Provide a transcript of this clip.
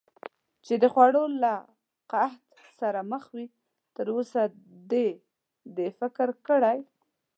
چې د خوړو له قحط سره مخ وي، تراوسه دې دې ته فکر کړی؟